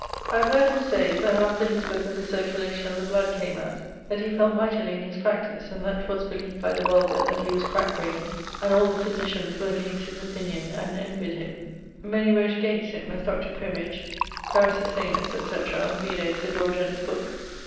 I have heard him say, that after his booke of the Circulation of the Bloodcame out, that he fell mightily in his practize, and that 'twas beleeved by the vulgar that he was crack brained; and all the physitians were against his opinion, and envyed him; many wrote against him, as Dr. Primige, Paracisanus, etc. (vide Sir George Ent's booke).